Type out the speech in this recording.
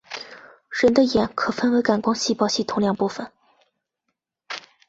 人的眼可分为感光细胞系统两部分。